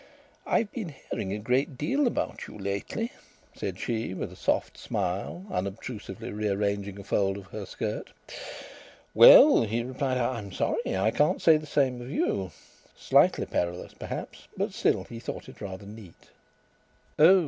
"I've been hearing a great deal about you lately," said she with a soft smile, unobtrusively rearranging a fold of her skirt. "Well," he replied, "I'm sorry I can't say the same of you." Slightly perilous perhaps, but still he thought it rather neat. "Oh!"